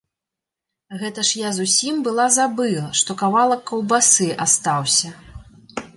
Гэта ж я зусім была забыла, што кавалак каўбасы астаўся.